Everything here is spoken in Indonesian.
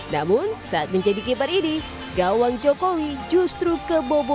namun saat menjadi keeper ini gawang jokowi justru kebobolan